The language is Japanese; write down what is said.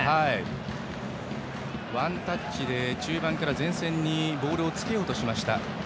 ワンタッチで中盤から前線にボールをつけようとしました。